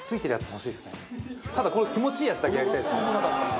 ただこの気持ちいいやつだけやりたいですね。